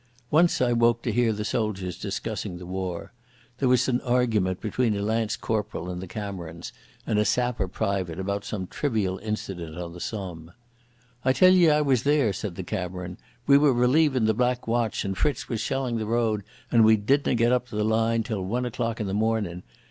Once I woke to hear the soldiers discussing the war. There was an argument between a lance corporal in the Camerons and a sapper private about some trivial incident on the Somme. "I tell ye I was there," said the Cameron. "We were relievin' the Black Watch, and Fritz was shelling the road, and we didna get up to the line till one o'clock in the mornin'.